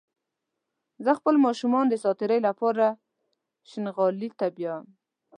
زه خپل ماشومان د ساعتيرى لپاره شينغالي ته بيايم